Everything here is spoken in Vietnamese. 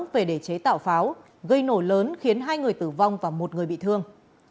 về để chế tạo pháo gây nổ lớn khiến hai người tử vong và một người bị thương